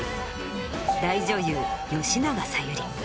大女優吉永小百合